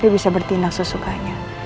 dia bisa bertindak sesukanya